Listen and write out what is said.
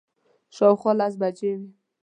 شاوخوا لس بجې وې.